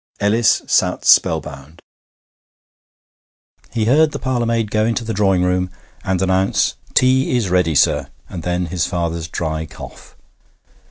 Ellis sat spell bound. He heard the parlourmaid go into the drawing room and announce, 'Tea is ready, sir!' and then his father's dry cough.